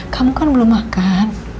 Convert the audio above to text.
kamu kan belum makan